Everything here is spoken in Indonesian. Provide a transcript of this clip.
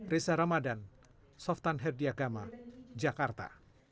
reza ramadan softan herdiagama jakarta